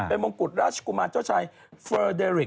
เป็นมงกุฎราชกุมารเจ้าชายเฟอร์เดริก